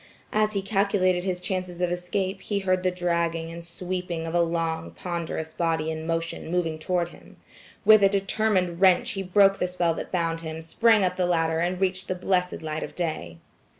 As he calculated his chances of escape, he heard the dragging and sweeping of a long ponderous body in motion moving toward him. With a determined wrench he broke the spell that bound him, sprang up the ladder and reached the blessed light of day.